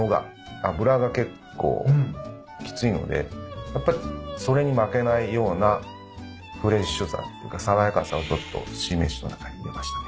脂が結構きついのでやっぱりそれに負けないようなフレッシュさっていうか爽やかさをちょっとすし飯の中に入れましたね。